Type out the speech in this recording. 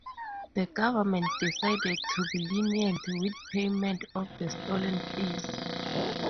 The government decided to be lenient with payment of the stolen fees.